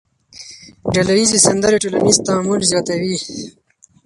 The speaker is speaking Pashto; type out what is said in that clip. ډلهییزې سندرې ټولنیز تعامل زیاتوي.